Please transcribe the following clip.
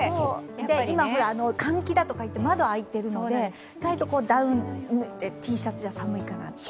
今、換気だとかいって窓が開いてるのでしっかりダウンＴシャツじゃ寒いかな。